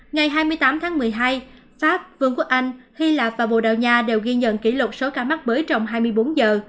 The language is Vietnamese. ngày hai mươi tám tháng một mươi hai pháp vương quốc anh hy lạp và bồ đào nha đều ghi nhận kỷ lục số ca mắc mới trong hai mươi bốn giờ